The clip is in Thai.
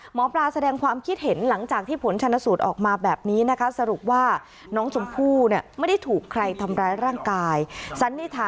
หมอปลาแสดงความคิดเห็นหลังจากที่ผลชนสูตรออกมาแบบนี้นะคะ